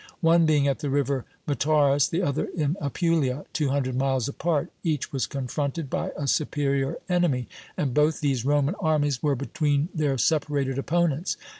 One being at the river Metaurus, the other in Apulia, two hundred miles apart, each was confronted by a superior enemy, and both these Roman armies were between their separated opponents.